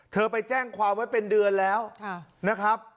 ไปแจ้งความไว้เป็นเดือนแล้วนะครับ